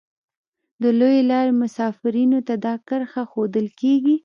د لویې لارې مسافرینو ته دا کرښه ښودل کیږي